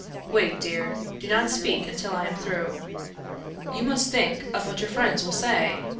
Wait, dear, do not speak until I am through. You must think of what your friends will say.